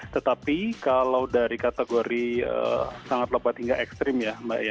tetapi kalau dari kategori sangat lebat hingga ekstrim ya mbak ya